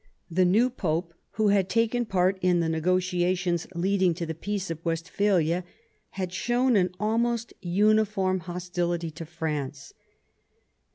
The new Pope, who had taken part in the negotiations lead ing to the Peace of Westphalia, had shown an almost uniform hostility to France.